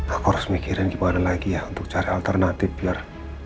aku harus mikirin gimana lagi ya untuk cari alternatif biar